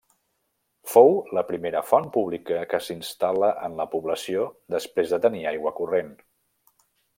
Fou la primera font pública que s'instal·la en la població després de tenir aigua corrent.